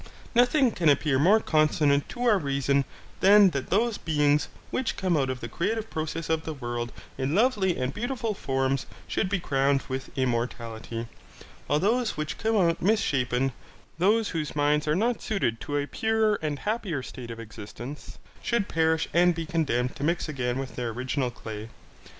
Nothing can appear more consonant to our reason than that those beings which come out of the creative process of the world in lovely and beautiful forms should be crowned with immortality, while those which come out misshapen, those whose minds are not suited to a purer and happier state of existence, should perish and be condemned to mix again with their original clay.